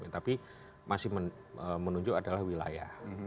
tapi masih menunjuk adalah wilayah